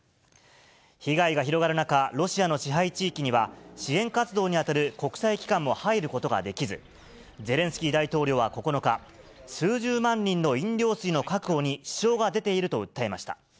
被害が広がる中、ロシアの支配地域には、支援活動に当たる国際機関も入ることができず、ゼレンスキー大統領は９日、数十万人の飲料水の確保に支障が出ていると訴えました。